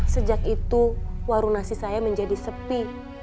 sejak itu warung nasi saya menjadi sepi